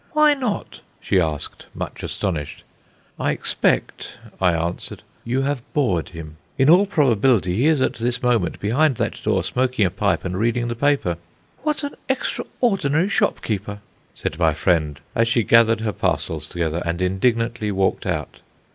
"Why not?" she asked, much astonished. "I expect," I answered, "you have bored him. In all probability he is at this moment behind that door smoking a pipe and reading the paper." "What an extraordinary shopkeeper!" said my friend, as she gathered her parcels together and indignantly walked out.